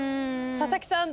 佐々木さん